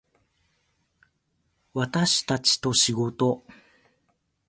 私たちと仕事